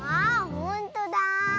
ほんとだ。